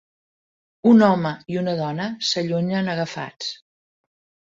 Un home i una dona s'allunyen agafats.